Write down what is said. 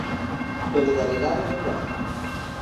Solidariedade de clase.